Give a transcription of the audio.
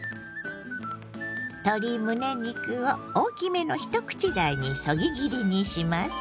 鶏むね肉を大きめの一口大にそぎ切りにします。